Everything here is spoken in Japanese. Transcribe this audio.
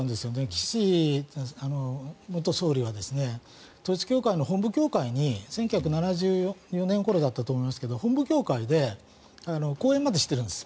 岸元総理は統一教会の本部教会に１９７４年ごろだったと思いますが本部教会で講演までしてるんです。